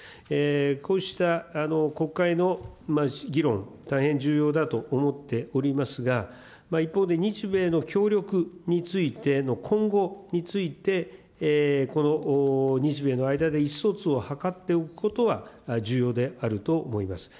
こうした国会の議論、大変重要だと思っておりますが、一方で、日米の協力についての今後について、この日米の間で意思疎通を図っておくことは重要であると思います。